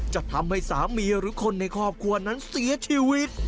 จะทำให้สามีหรือคนในครอบครัวนั้นเสียชีวิต